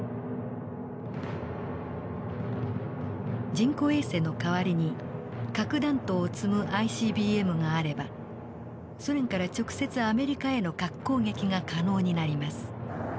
人工衛星の代わりに核弾頭を積むＩＣＢＭがあればソ連から直接アメリカへの核攻撃が可能になります。